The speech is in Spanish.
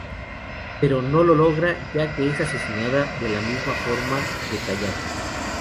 Pero no lo logra ya que es asesinada de la misma forma que Kayako.